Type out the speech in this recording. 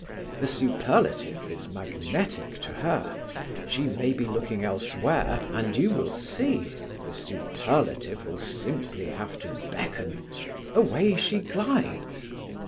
The superlative is magnetic to her. She may be looking elsewhere, and you will see the superlative will simply have to beckon, away she glides.